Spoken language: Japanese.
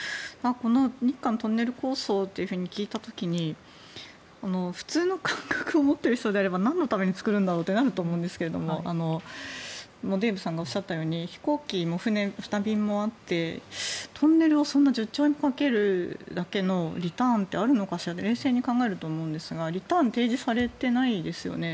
日韓トンネル構想と聞いた時に普通の感覚を持っている人であればなんのために作るんだろうってなると思うんですけどデーブさんがおっしゃったように飛行機も船便もあってトンネルにそんな１０兆円かけるだけのリターンってあるのかしらって冷静に考えると思うんですがリターンが提示されてないですよね。